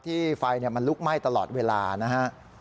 ไฟมันลุกไหม้ตลอดเวลานะฮะ